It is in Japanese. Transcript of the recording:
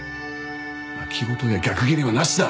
泣き言や逆ギレはなしだ。